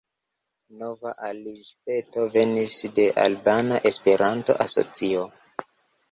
Nova aliĝpeto venis de Albana Esperanto-Asocio.